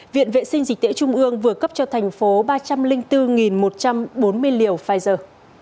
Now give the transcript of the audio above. viện vệ sinh dịch tễ trung ương vừa cấp cho thành phố ba trăm linh bốn một trăm bốn mươi liều pfizer